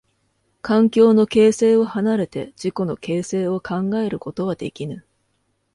環境の形成を離れて自己の形成を考えることはできぬ。